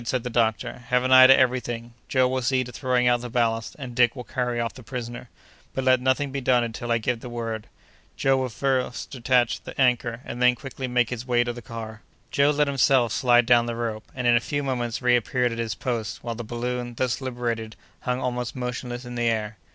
said the doctor. "Have an eye to every thing. Joe will see to throwing out the ballast, and Dick will carry off the prisoner; but let nothing be done until I give the word. Joe will first detach the anchor, and then quickly make his way back to the car." Joe let himself slide down by the rope; and, in a few moments, reappeared at his post; while the balloon, thus liberated, hung almost motionless in the air.